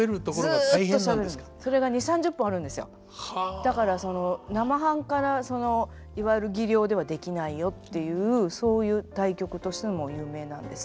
だから生半可なそのいわゆる技量ではできないよっていうそういう大曲としても有名なんです。